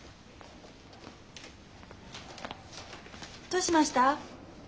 どうしました？